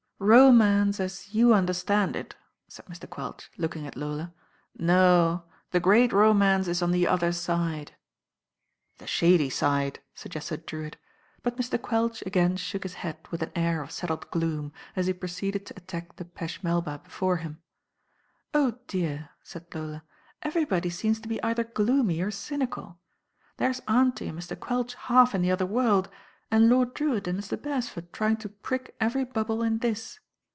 "Romance as you understand it/' said Mr. Quelch, looking at Lola. "No ; the great romance it on the Other Side." "The shady side," suggested Drewitt; but Mr. Quelch again shook his head with an air of settled gloom, as he proceeded to attack the piche Melba before him. "Oh, dearl" said Lola, "everybody seems to hh either gloomy or cynical. There's auntie and Mr. Quelch half in the other world, and Lord Drewitt and Mr. Beresford trying to prick every bubble in this.